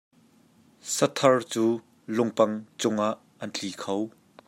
Sathar cu lungpang cungah an tli kho.